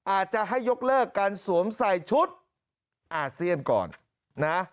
อาจจะให้ยกเลิกการสวมใส่ชุดอาเซียนก่อนนะ